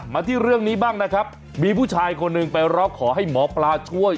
มาที่เรื่องนี้บ้างนะครับมีผู้ชายคนหนึ่งไปร้องขอให้หมอปลาช่วย